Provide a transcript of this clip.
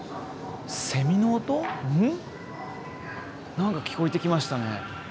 何か聞こえてきましたね。